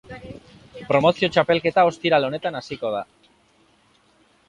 Promozio txapelketa ostiral honetan hasiko da.